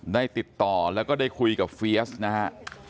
ได้ติดต่อแล้วก็ได้คุยกับเฟียสนะฮะ